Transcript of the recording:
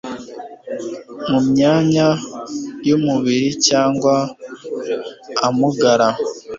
mu myanya y umubiri cyangwa amugara